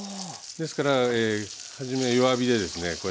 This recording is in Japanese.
ですから初め弱火でですね